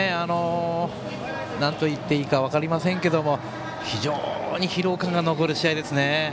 なんといっていいか分かりませんが非常に疲労感が残る試合ですね。